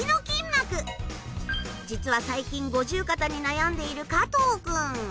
実は最近五十肩に悩んでいる加藤君。